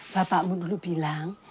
bapakmu dulu bilang